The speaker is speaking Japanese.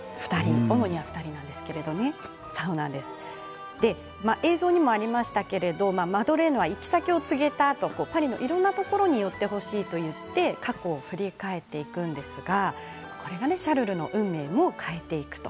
主には２人なんですけれど映像にもありましたけれどマドレーヌが行き先を告げたあとパリのいろんなところに行ってほしいと言って過去を振り返っていくんですがこれがシャルルの運命を変えていくと。